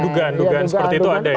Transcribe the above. dugaan dugaan seperti itu ada ya